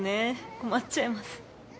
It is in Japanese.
困っちゃいます。